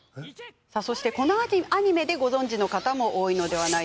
そして、こちらのアニメでご存じの方も多いのでは？